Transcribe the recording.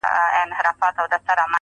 ما خوبونه وه لیدلي د بېړۍ د ډوبېدلو،